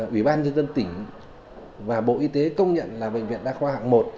ủy ban nhân dân tỉnh và bộ y tế công nhận là bệnh viện đa khoa hạng một